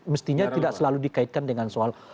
mestinya tidak selalu dikaitkan dengan soal